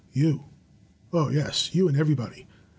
'* "You! Oh yes, you and everybody!